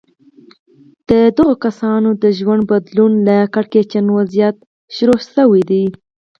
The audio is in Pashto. د دغو کسانو د ژوند بدلون له کړکېچن وضعيت پيل شوی.